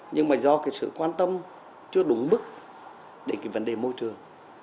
nhưng mà do cái sự quan tâm chưa đúng bức đến cái vấn đề môi trường